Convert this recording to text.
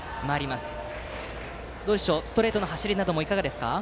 ストレートの走りなどはいかがですか。